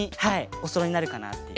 おそろいになるかなっていう。